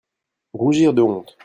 Rougir de honte.